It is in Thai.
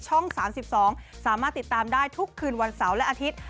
ช่องสามสิบสองสามารถติดตามได้ทุกคืนวันเสาร์และอาทิตย์